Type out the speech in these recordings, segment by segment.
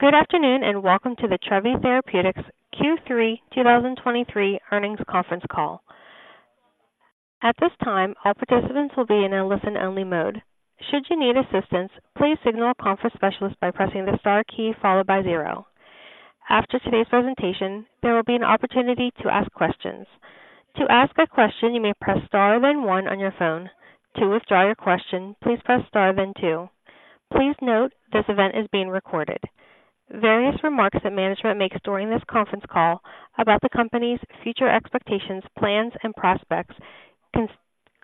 Good afternoon, and welcome to the Trevi Therapeutics Q3-2023 Earnings Conference Call. At this time, all participants will be in a listen-only mode. Should you need assistance, please signal a conference specialist by pressing the star key followed by zero. After today's presentation, there will be an opportunity to ask questions. To ask a question, you may press star then one on your phone. To withdraw your question, please press star then two. Please note, this event is being recorded. Various remarks that management makes during this conference call about the company's future expectations, plans, and prospects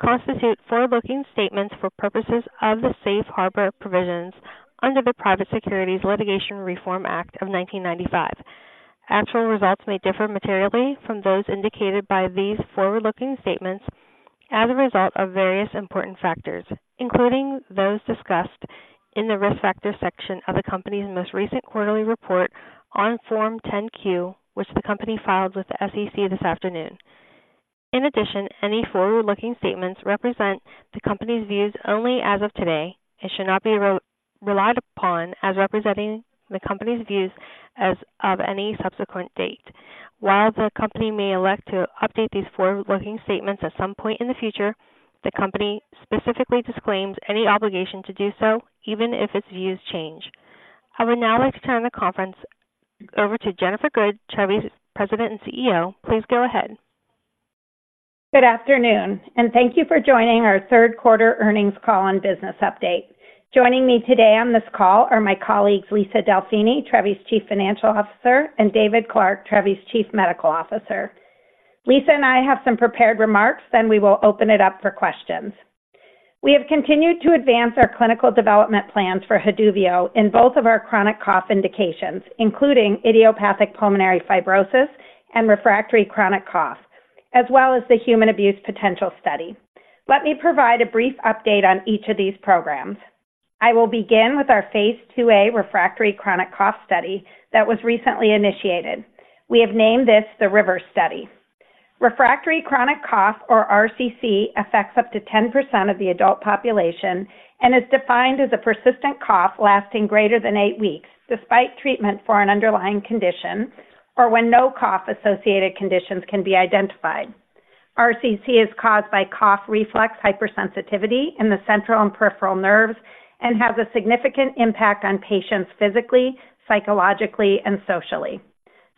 constitute forward-looking statements for purposes of the Safe Harbor Provisions under the Private Securities Litigation Reform Act of 1995. Actual results may differ materially from those indicated by these forward-looking statements as a result of various important factors, including those discussed in the Risk Factors section of the company's most recent quarterly report on Form 10-Q, which the company filed with the SEC this afternoon. In addition, any forward-looking statements represent the company's views only as of today and should not be relied upon as representing the company's views as of any subsequent date. While the company may elect to update these forward-looking statements at some point in the future, the company specifically disclaims any obligation to do so, even if its views change. I would now like to turn the conference over to Jennifer Good, Trevi's President and CEO. Please go ahead. Good afternoon, and thank you for joining our third quarter earnings call and business update. Joining me today on this call are my colleagues, Lisa Delfini, Trevi's Chief Financial Officer, and David Clark, Trevi's Chief Medical Officer. Lisa and I have some prepared remarks, then we will open it up for questions. We have continued to advance our clinical development plans for Haduvio in both of our chronic cough indications, including idiopathic pulmonary fibrosis and refractory chronic cough, as well as the human abuse potential study. Let me provide a brief update on each of these programs. I will begin with our phase 2a refractory chronic cough study that was recently initiated. We have named this the RIVER study. Refractory chronic cough, or RCC, affects up to 10% of the adult population and is defined as a persistent cough lasting greater than eight weeks despite treatment for an underlying condition or when no cough-associated conditions can be identified. RCC is caused by cough reflex hypersensitivity in the central and peripheral nerves and has a significant impact on patients physically, psychologically, and socially.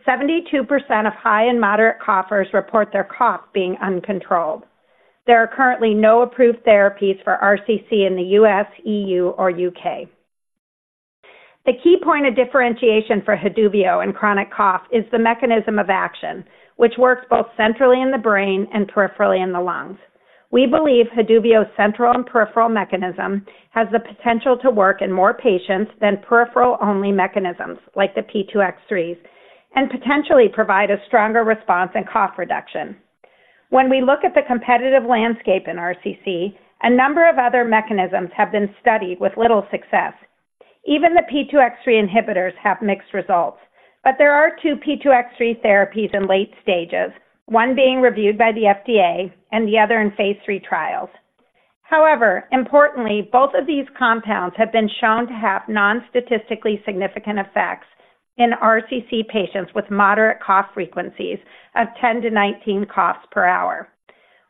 72% of high and moderate coughers report their cough being uncontrolled. There are currently no approved therapies for RCC in the U.S., E.U., or U.K. The key point of differentiation for Haduvio in chronic cough is the mechanism of action, which works both centrally in the brain and peripherally in the lungs. We believe Haduvio's central and peripheral mechanism has the potential to work in more patients than peripheral-only mechanisms like the P2X3s and potentially provide a stronger response and cough reduction. When we look at the competitive landscape in RCC, a number of other mechanisms have been studied with little success. Even the P2X3 inhibitors have mixed results, but there are two P2X3 therapies in late stages, one being reviewed by the FDA and the other in Phase III trials. However, importantly, both of these compounds have been shown to have non-statistically significant effects in RCC patients with moderate cough frequencies of 10-19 coughs per hour.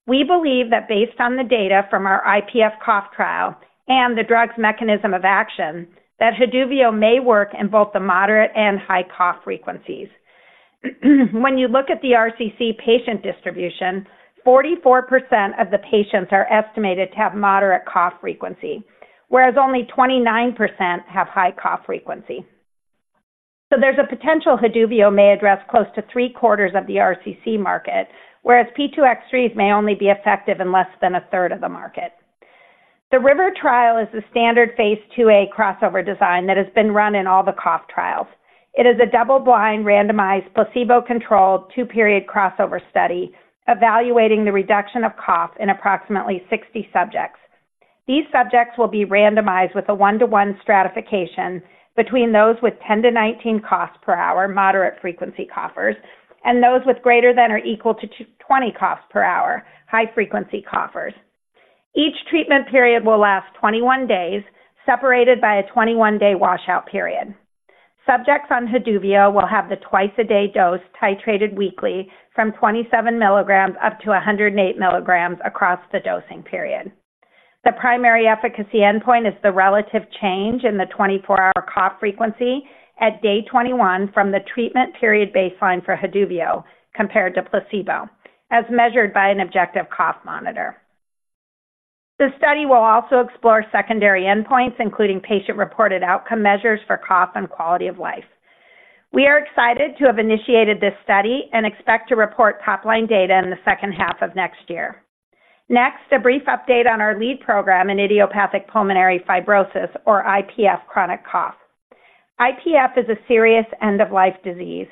We believe that based on the data from our IPF cough trial and the drug's mechanism of action, that Haduvio may work in both the moderate and high cough frequencies. When you look at the RCC patient distribution, 44% of the patients are estimated to have moderate cough frequency, whereas only 29% have high cough frequency. So there's a potential Haduvio may address close to 3/4 of the RCC market, whereas P2X3s may only be effective in less than 1/3 of the market. The RIVER trial is the standard phase 2a crossover design that has been run in all the cough trials. It is a double-blind, randomized, placebo-controlled, two-period crossover study evaluating the reduction of cough in approximately 60 subjects. These subjects will be randomized with a 1:1 stratification between those with 10-19 coughs per hour, moderate frequency coughers, and those with greater than or equal to 20 coughs per hour, high-frequency coughers. Each treatment period will last 21 days, separated by a 21-day washout period. Subjects on Haduvio will have the twice-a-day dose titrated weekly from 27 milligrams up to 108 milligrams across the dosing period. The primary efficacy endpoint is the relative change in the 24-hour cough frequency at day 21 from the treatment period baseline for Haduvio compared to placebo, as measured by an objective cough monitor. The study will also explore secondary endpoints, including patient-reported outcome measures for cough and quality of life. We are excited to have initiated this study and expect to report top-line data in the second half of next year. Next, a brief update on our lead program in idiopathic pulmonary fibrosis, or IPF, chronic cough. IPF is a serious end-of-life disease.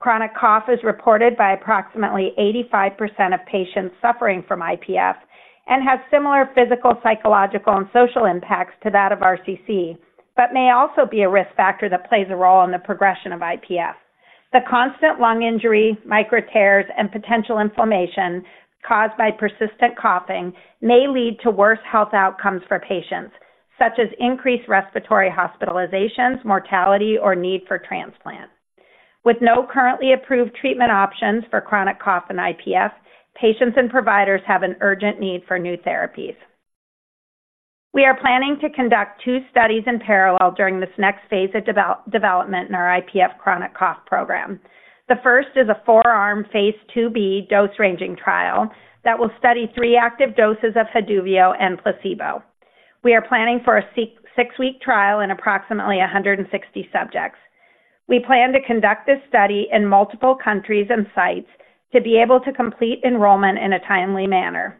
Chronic cough is reported by approximately 85% of patients suffering from IPF and has similar physical, psychological, and social impacts to that of RCC, but may also be a risk factor that plays a role in the progression of IPF. The constant lung injury, micro tears, and potential inflammation caused by persistent coughing may lead to worse health outcomes for patients, such as increased respiratory hospitalizations, mortality, or need for transplant. With no currently approved treatment options for chronic cough and IPF, patients and providers have an urgent need for new therapies. We are planning to conduct two studies in parallel during this next phase of development in our IPF chronic cough program. The first is a four-arm, Phase 2b dose-ranging trial that will study three active doses of Haduvio and placebo. We are planning for a 6-week trial in approximately 160 subjects. We plan to conduct this study in multiple countries and sites to be able to complete enrollment in a timely manner.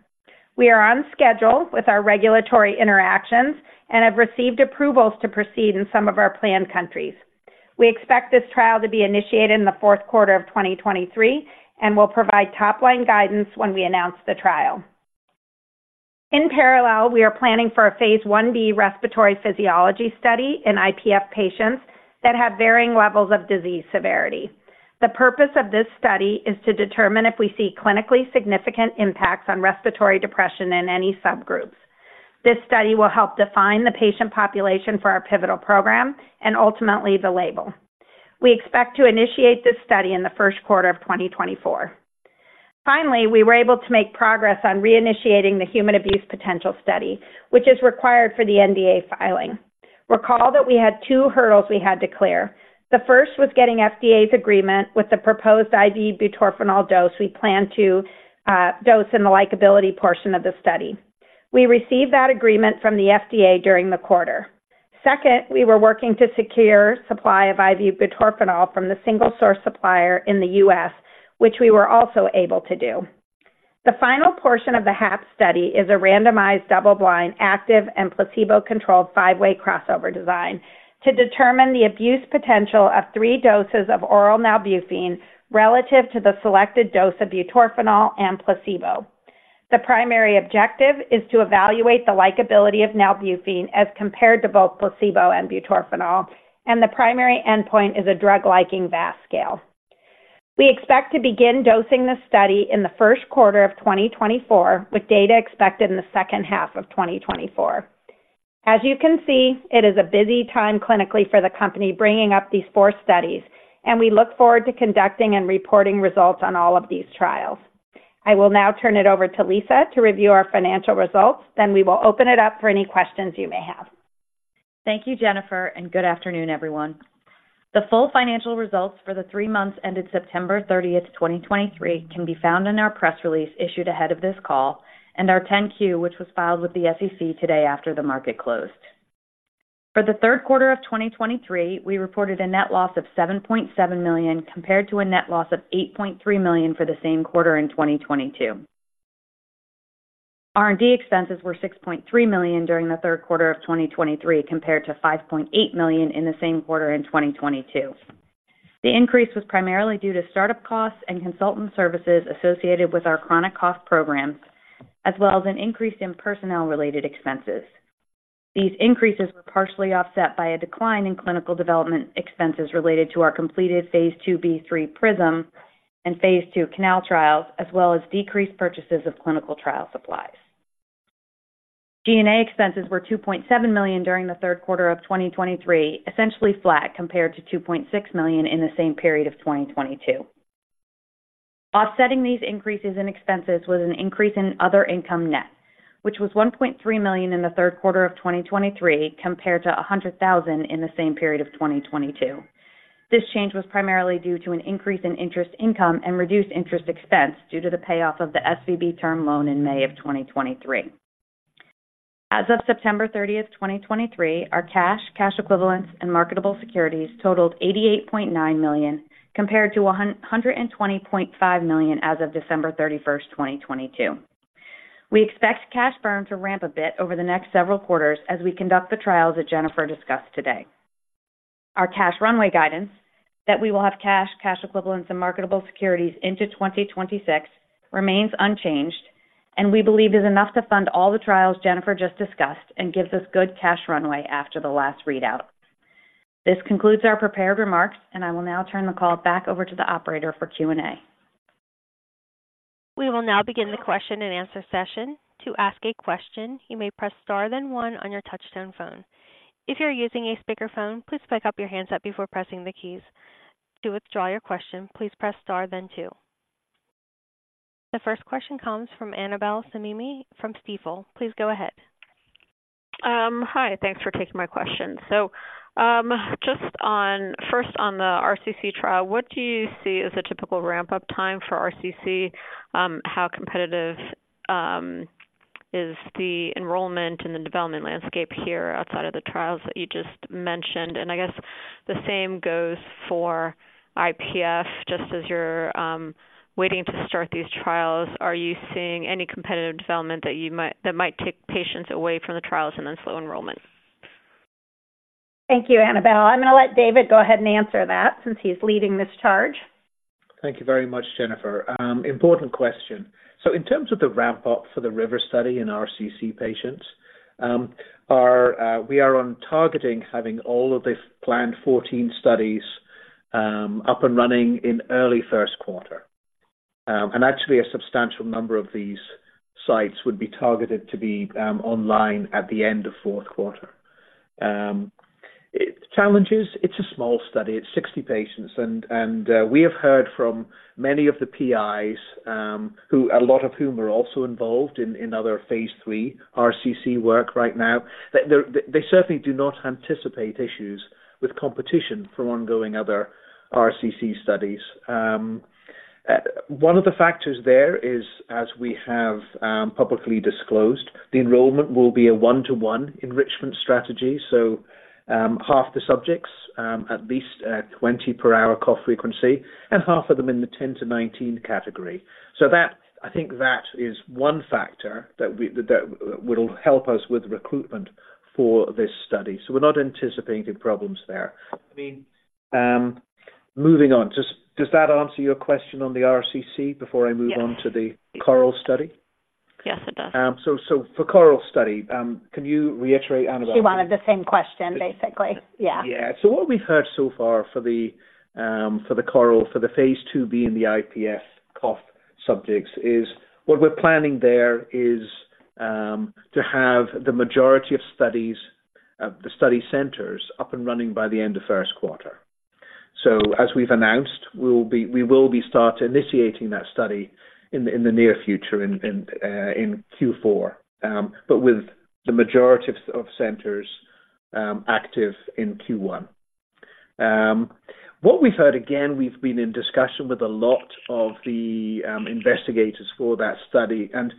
We are on schedule with our regulatory interactions and have received approvals to proceed in some of our planned countries. We expect this trial to be initiated in the fourth quarter of 2023, and we'll provide top-line guidance when we announce the trial. In parallel, we are planning for a phase 1b respiratory physiology study in IPF patients that have varying levels of disease severity. The purpose of this study is to determine if we see clinically significant impacts on respiratory depression in any subgroups. This study will help define the patient population for our pivotal program and ultimately the label. We expect to initiate this study in the first quarter of 2024. Finally, we were able to make progress on reinitiating the human abuse potential study, which is required for the NDA filing. Recall that we had two hurdles we had to clear. The first was getting FDA's agreement with the proposed IV butorphanol dose we plan to dose in the likability portion of the study. We received that agreement from the FDA during the quarter. Second, we were working to secure supply of IV butorphanol from the single source supplier in the U.S., which we were also able to do. The final portion of the HAP study is a randomized, double-blind, active and placebo-controlled, five-way crossover design to determine the abuse potential of three doses of oral nalbuphine relative to the selected dose of butorphanol and placebo. The primary objective is to evaluate the likability of nalbuphine as compared to both placebo and butorphanol, and the primary endpoint is a drug-liking VAS scale. We expect to begin dosing this study in the first quarter of 2024, with data expected in the second half of 2024. As you can see, it is a busy time clinically for the company, bringing up these four studies, and we look forward to conducting and reporting results on all of these trials. I will now turn it over to Lisa to review our financial results. Then we will open it up for any questions you may have. Thank you, Jennifer, and good afternoon, everyone. The full financial results for the three months ended September 30, 2023, can be found in our press release issued ahead of this call and our 10-Q, which was filed with the SEC today after the market closed. For the third quarter of 2023, we reported a net loss of $7.7 million, compared to a net loss of $8.3 million for the same quarter in 2022. R&D expenses were $6.3 million during the third quarter of 2023, compared to $5.8 million in the same quarter in 2022. The increase was primarily due to startup costs and consultant services associated with our chronic cough programs, as well as an increase in personnel-related expenses. These increases were partially offset by a decline in clinical development expenses related to our completed phase 2b/3 PRISM and phase 2 CANAL trials, as well as decreased purchases of clinical trial supplies. G&A expenses were $2.7 million during the third quarter of 2023, essentially flat compared to $2.6 million in the same period of 2022. Offsetting these increases in expenses was an increase in other income net, which was $1.3 million in the third quarter of 2023, compared to $100,000 in the same period of 2022. This change was primarily due to an increase in interest income and reduced interest expense due to the payoff of the SVB term loan in May 2023. As of September 30, 2023, our cash, cash equivalents, and marketable securities totaled $88.9 million, compared to $120.5 million as of December 31, 2022. We expect cash burn to ramp a bit over the next several quarters as we conduct the trials that Jennifer discussed today. Our cash runway guidance, that we will have cash, cash equivalents, and marketable securities into 2026, remains unchanged and we believe is enough to fund all the trials Jennifer just discussed and gives us good cash runway after the last readout. This concludes our prepared remarks, and I will now turn the call back over to the operator for Q&A. We will now begin the question and answer session. To ask a question, you may press star, then one on your touchtone phone. If you are using a speakerphone, please pick up your handset before pressing the keys. To withdraw your question, please press star then two. The first question comes from Annabel Samimy from Stifel. Please go ahead. Hi, thanks for taking my question. So, just on first, on the RCC trial, what do you see as a typical ramp-up time for RCC? How competitive is the enrollment and the development landscape here outside of the trials that you just mentioned? And I guess the same goes for IPF. Just as you're waiting to start these trials, are you seeing any competitive development that might take patients away from the trials and then slow enrollment? Thank you, Annabel. I'm going to let David go ahead and answer that since he's leading this charge. ...Thank you very much, Jennifer. Important question. So in terms of the ramp-up for the RIVER study in RCC patients, we are on target for having all of the planned 14 sites up and running in early first quarter. And actually a substantial number of these sites would be targeted to be online at the end of fourth quarter. The challenges, it's a small study, it's 60 patients, and we have heard from many of the PIs, who a lot of whom are also involved in other phase 3 RCC work right now, that they certainly do not anticipate issues with competition from ongoing other RCC studies. One of the factors there is, as we have publicly disclosed, the enrollment will be a 1:1 enrichment strategy. So, half the subjects, at least, 20 per hour cough frequency, and half of them in the 10-19 category. So that, I think that is one factor that will help us with recruitment for this study. So we're not anticipating problems there. I mean, moving on, does that answer your question on the RCC before I move on? Yes. -to the CORAL study? Yes, it does. So, for CORAL study, can you reiterate, Annabel? She wanted the same question, basically. Yeah. Yeah. So what we've heard so far for the CORAL, for the phase 2b in the IPF cough subjects, is what we're planning there is to have the majority of studies, the study centers up and running by the end of first quarter. So as we've announced, we will be, we will be start initiating that study in the near future, in Q4, but with the majority of centers active in Q1. What we've heard, again, we've been in discussion with a lot of the investigators for that study, and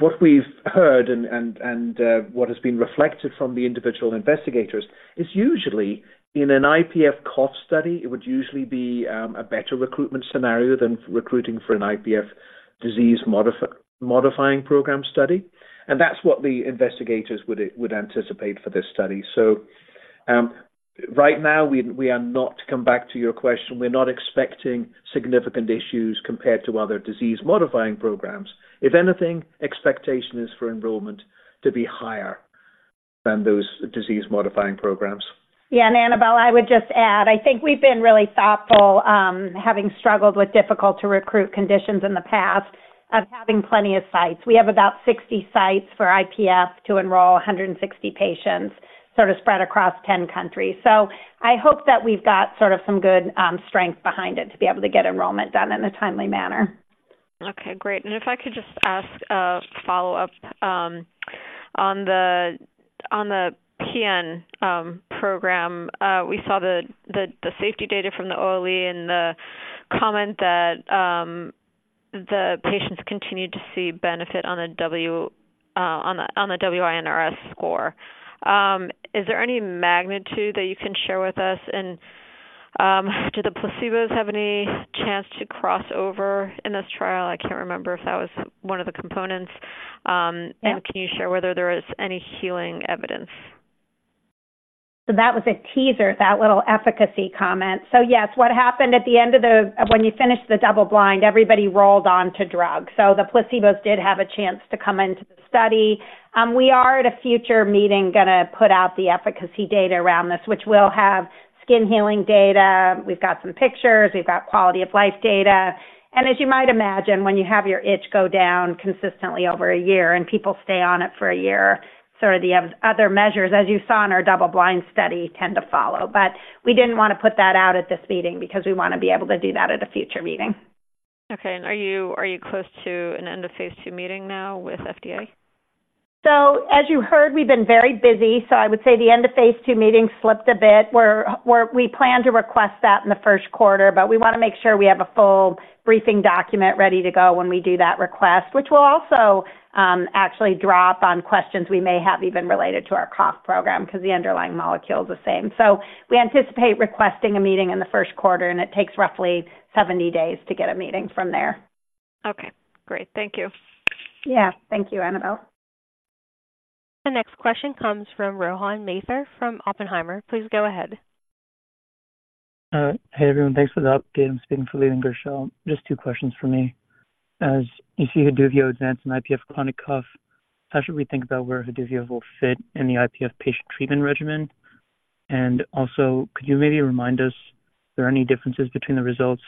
what we've heard and what has been reflected from the individual investigators is usually in an IPF cough study, it would usually be a better recruitment scenario than recruiting for an IPF disease modifying program study. That's what the investigators would anticipate for this study. Right now, we are not, to come back to your question, we're not expecting significant issues compared to other disease-modifying programs. If anything, expectation is for enrollment to be higher than those disease-modifying programs. Yeah, and Annabel, I would just add, I think we've been really thoughtful, having struggled with difficult-to-recruit conditions in the past of having plenty of sites. We have about 60 sites for IPF to enroll 160 patients, sort of spread across 10 countries. So I hope that we've got sort of some good strength behind it to be able to get enrollment done in a timely manner. Okay, great. And if I could just ask a follow-up on the PN program. We saw the safety data from the OLE and the comment that the patients continued to see benefit on the WI-NRS score. Is there any magnitude that you can share with us in, do the placebos have any chance to cross over in this trial? I can't remember if that was one of the components. Yeah. Can you share whether there is any healing evidence? So that was a teaser, that little efficacy comment. So yes, what happened at the end of the, when you finished the double-blind, everybody rolled on to drug. So the placebos did have a chance to come into the study. We are at a future meeting, gonna put out the efficacy data around this, which will have skin healing data. We've got some pictures, we've got quality of life data, and as you might imagine, when you have your itch go down consistently over a year and people stay on it for a year, sort of the other measures, as you saw in our double-blind study, tend to follow. But we didn't want to put that out at this meeting because we want to be able to do that at a future meeting. Okay. And are you close to an end-of-phase 2 meeting now with FDA? So as you heard, we've been very busy, so I would say the end-of-phase 2 meeting slipped a bit where we plan to request that in the first quarter, but we want to make sure we have a full briefing document ready to go when we do that request, which will also actually drop on questions we may have even related to our cough program because the underlying molecule is the same. So we anticipate requesting a meeting in the first quarter, and it takes roughly 70 days to get a meeting from there. Okay, great. Thank you. Yeah. Thank you, Annabel. The next question comes from Rohan Mathur from Oppenheimer. Please go ahead. Hey, everyone. Thanks for the update. I'm speaking for Lee Gershell. Just two questions for me. As you see Haduvio advance in IPF chronic cough, how should we think about where Haduvio will fit in the IPF patient treatment regimen? Also, could you maybe remind us, are there any differences between the results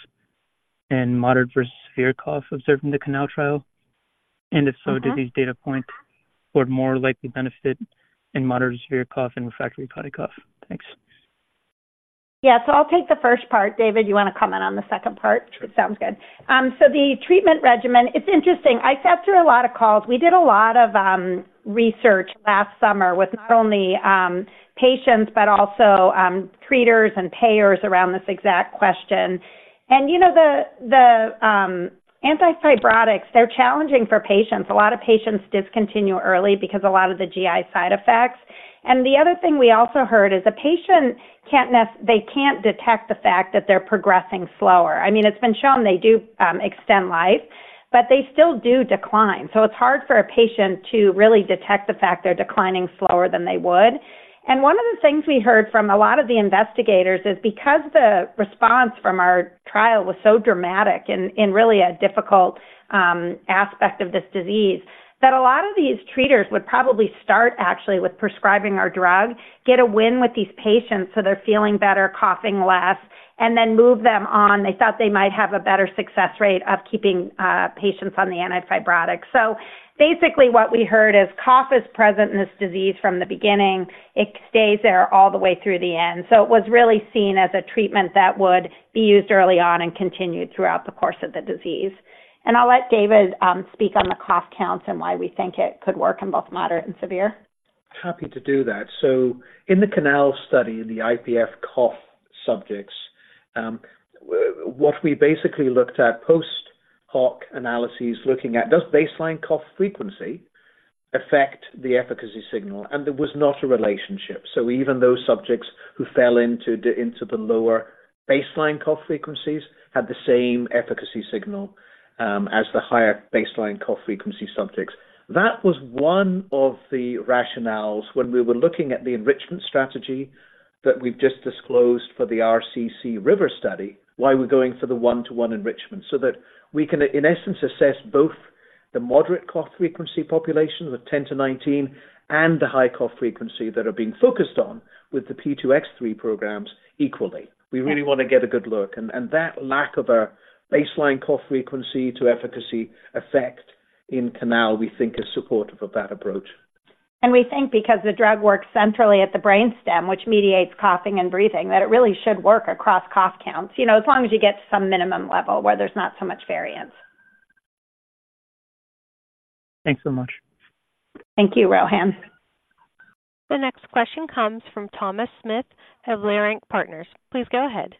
in moderate versus severe cough observed in the CANAL trial? Mm-hmm. If so, do these data points would more likely benefit in moderate versus severe cough and refractory chronic cough? Thanks. Yeah. So I'll take the first part. David, you want to comment on the second part? Sure. Sounds good. So the treatment regimen, it's interesting. I sat through a lot of calls. We did a lot of research last summer with not only patients, but also treaters and payers around this exact question. And, you know, the antifibrotics, they're challenging for patients. A lot of patients discontinue early because a lot of the GI side effects. And the other thing we also heard is a patient can't, they can't detect the fact that they're progressing slower. I mean, it's been shown they do extend life, but they still do decline. It's hard for a patient to really detect the fact they're declining slower than they would. One of the things we heard from a lot of the investigators is because the response from our trial was so dramatic in really a difficult aspect of this disease, that a lot of these treaters would probably start actually with prescribing our drug, get a win with these patients, so they're feeling better, coughing less, and then move them on. They thought they might have a better success rate of keeping patients on the antifibrotic. Basically, what we heard is cough is present in this disease from the beginning. It stays there all the way through the end. It was really seen as a treatment that would be used early on and continued throughout the course of the disease. I'll let David speak on the cough counts and why we think it could work in both moderate and severe. Happy to do that. So in the CANAL study, in the IPF cough subjects, what we basically looked at post hoc analyses, looking at does baseline cough frequency affect the efficacy signal? And there was not a relationship. So even those subjects who fell into the lower baseline cough frequencies had the same efficacy signal, as the higher baseline cough frequency subjects. That was one of the rationales when we were looking at the enrichment strategy that we've just disclosed for the RCC RIVER study, why we're going for the one-to-one enrichment so that we can, in essence, assess both the moderate cough frequency population with 10-19 and the high cough frequency that are being focused on with the P2X3 programs equally. We really want to get a good look. That lack of a baseline cough frequency to efficacy effect in CANAL, we think, is supportive of that approach. We think because the drug works centrally at the brain stem, which mediates coughing and breathing, that it really should work across cough counts, you know, as long as you get to some minimum level where there's not so much variance. Thanks so much. Thank you, Rohan. The next question comes from Thomas Smith of Leerink Partners. Please go ahead.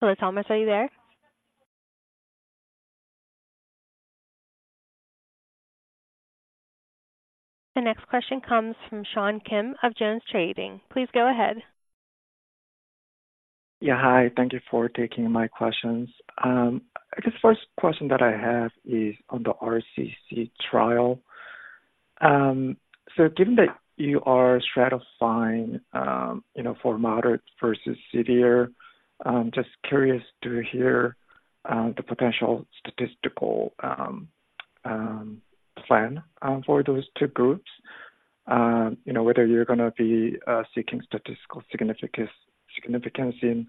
Hello, Thomas, are you there? The next question comes from Sean Kim of Jones Trading. Please go ahead. Yeah, hi. Thank you for taking my questions. I guess the first question that I have is on the RCC trial. So given that you are stratifying, you know, for moderate versus severe, just curious to hear the potential statistical plan for those two groups. You know, whether you're going to be seeking statistical significance in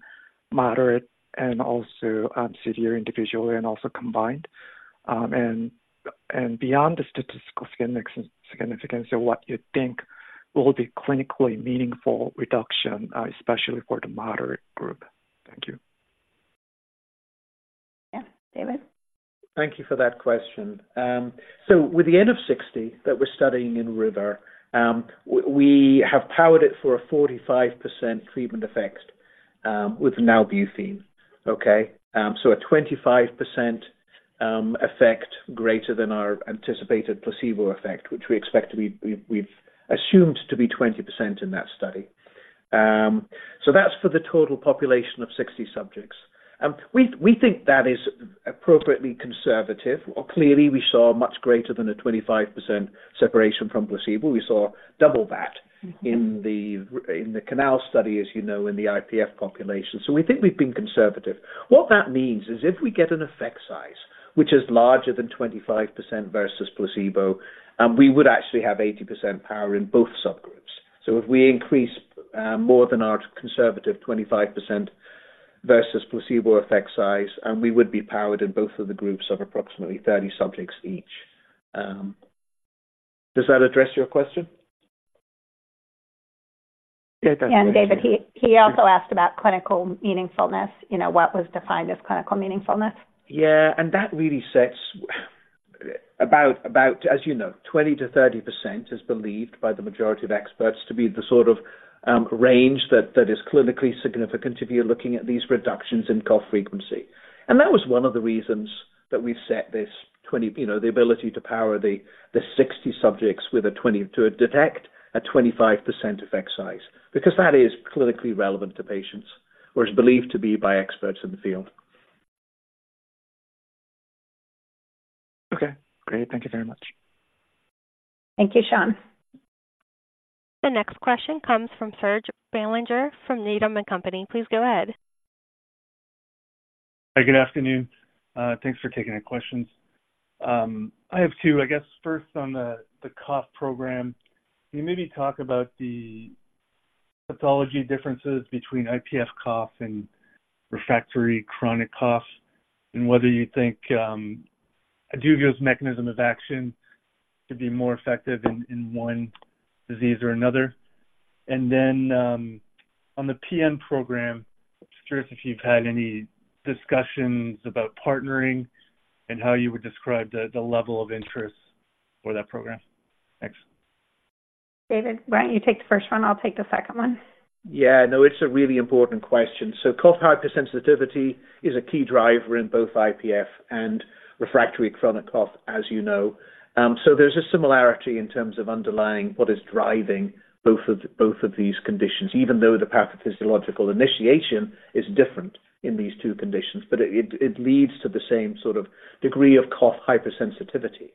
moderate and also severe individually and also combined. And beyond the statistical significance, so what you think will be clinically meaningful reduction, especially for the moderate group. Thank you. Yeah. David? Thank you for that question. So with the N of 60 that we're studying in RIVER, we have powered it for a 45% treatment effect with Nalbuphine. Okay, so a 25% effect greater than our anticipated placebo effect, which we expect to be, we've assumed to be 20% in that study. So that's for the total population of 60 subjects. We think that is appropriately conservative, or clearly, we saw much greater than a 25% separation from placebo. We saw double that- Mm-hmm. in the CANAL study, as you know, in the IPF population. So we think we've been conservative. What that means is if we get an effect size, which is larger than 25% versus placebo, we would actually have 80% power in both subgroups. So if we increase more than our conservative 25% versus placebo effect size, and we would be powered in both of the groups of approximately 30 subjects each. Does that address your question? Yeah, it does. David, he also asked about clinical meaningfulness. You know, what was defined as clinical meaningfulness? Yeah, and that really sets about, as you know, 20%-30% is believed by the majority of experts to be the sort of range that is clinically significant if you're looking at these reductions in cough frequency. And that was one of the reasons that we set this twenty, you know, the ability to power the sixty subjects with a twenty- to detect a 25% effect size, because that is clinically relevant to patients, or is believed to be by experts in the field. Okay, great. Thank you very much. Thank you, Sean. The next question comes from Serge Belanger, from Needham and Company. Please go ahead. Hi, good afternoon. Thanks for taking the questions. I have two, I guess first on the cough program. Can you maybe talk about the pathology differences between IPF cough and refractory chronic cough and whether you think Haduvio's mechanism of action to be more effective in one disease or another? And then, on the PN program, just curious if you've had any discussions about partnering and how you would describe the level of interest for that program. Thanks. David, why don't you take the first one? I'll take the second one. Yeah, no, it's a really important question. So cough hypersensitivity is a key driver in both IPF and refractory chronic cough, as you know. So there's a similarity in terms of underlying what is driving both of these conditions, even though the pathophysiological initiation is different in these two conditions, but it leads to the same sort of degree of cough hypersensitivity...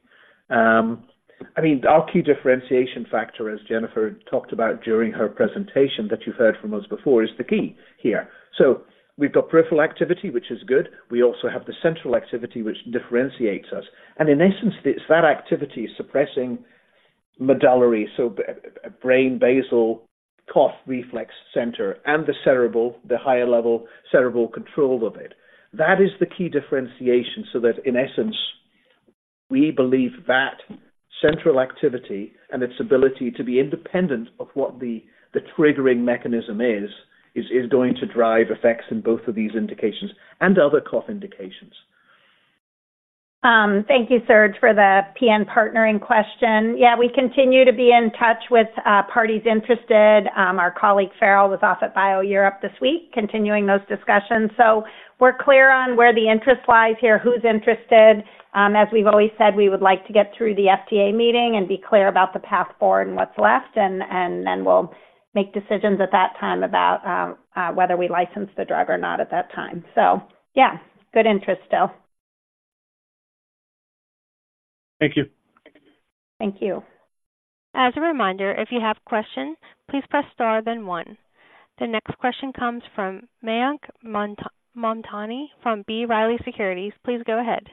I mean, our key differentiation factor, as Jennifer talked about during her presentation that you've heard from us before, is the key here. So we've got peripheral activity, which is good. We also have the central activity, which differentiates us. And in essence, it's that activity suppressing medullary, so b-a brain, basal cough reflex center and the cerebral, the higher level cerebral control of it. That is the key differentiation, so that in essence, we believe that central activity and its ability to be independent of what the triggering mechanism is going to drive effects in both of these indications and other cough indications. Thank you, Serge, for the PN partnering question. Yeah, we continue to be in touch with parties interested. Our colleague Farrell was off at BIO-Europe this week, continuing those discussions. So we're clear on where the interest lies here, who's interested. As we've always said, we would like to get through the FDA meeting and be clear about the path forward and what's left, and then we'll make decisions at that time about whether we license the drug or not at that time. So yeah, good interest still. Thank you. Thank you. As a reminder, if you have questions, please press Star then One. The next question comes from Mayank Mamtani from B. Riley Securities. Please go ahead.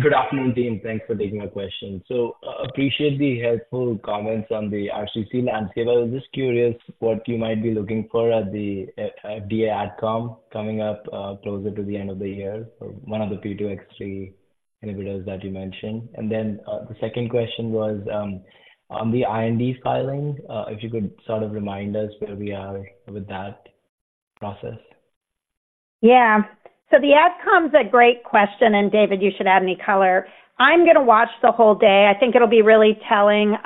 Good afternoon, team. Thanks for taking my question. So appreciate the helpful comments on the RCC landscape. I was just curious what you might be looking for at the FDA Ad comm coming up, closer to the end of the year, for one of the P2X3 inhibitors that you mentioned. And then, the second question was, on the IND filing, if you could sort of remind us where we are with that process. Yeah. So the Ad comm's a great question, and, David, you should add any color. I'm gonna watch the whole day. I think it'll be really telling,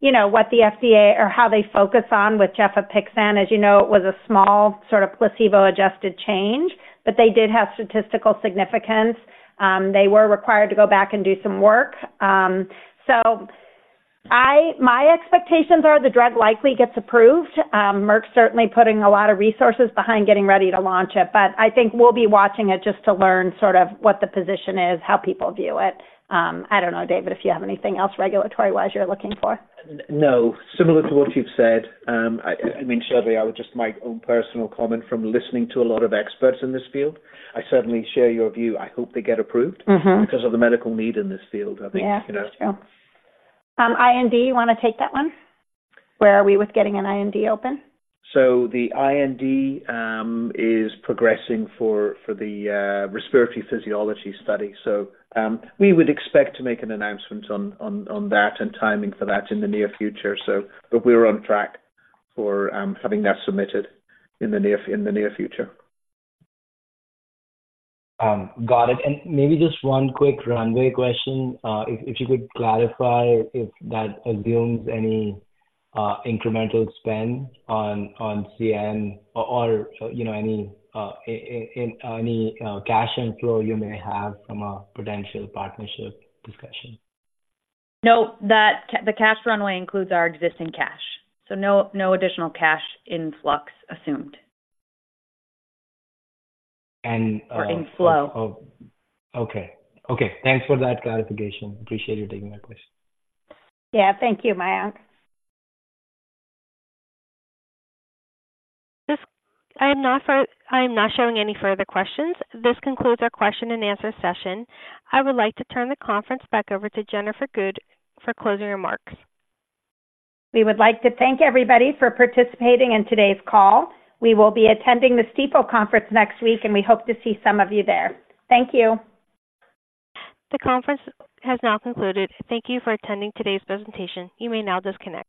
you know, what the FDA or how they focus on with Gefapixant. As you know, it was a small sort of placebo-adjusted change, but they did have statistical significance. They were required to go back and do some work. So my expectations are the drug likely gets approved. Merck's certainly putting a lot of resources behind getting ready to launch it, but I think we'll be watching it just to learn sort of what the position is, how people view it. I don't know, David, if you have anything else regulatory-wise you're looking for? No. Similar to what you've said, I mean, surely I would just my own personal comment from listening to a lot of experts in this field, I certainly share your view. I hope they get approved- Mm-hmm. -because of the medical need in this field, I think. Yeah. You know? That's true. IND, you want to take that one? Where are we with getting an IND open? So the IND is progressing for the respiratory physiology study. So we would expect to make an announcement on that and timing for that in the near future, so. But we're on track for having that submitted in the near future. Got it. And maybe just one quick runway question, if you could clarify if that assumes any incremental spend on CN or, you know, any cash inflow you may have from a potential partnership discussion. No, that, the cash runway includes our existing cash, so no, no additional cash influx assumed. And, uh- Or in flow. Oh, okay. Okay, thanks for that clarification. Appreciate you taking my question. Yeah. Thank you, Mayank. I am not showing any further questions. This concludes our question and answer session. I would like to turn the conference back over to Jennifer Good for closing remarks. We would like to thank everybody for participating in today's call. We will be attending the Stifel Conference next week, and we hope to see some of you there. Thank you. The conference has now concluded. Thank you for attending today's presentation. You may now disconnect.